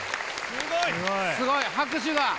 すごい拍手が！